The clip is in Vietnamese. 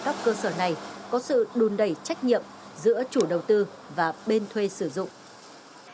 các cơ sở này có sự đùn đẩy trách nhiệm giữa chủ đầu tư và bên thuê sử dụng